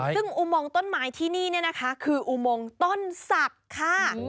ซึ่งอุโมงต้นไม้ที่นี่คืออุโมงต้นสัตว์ค่ะ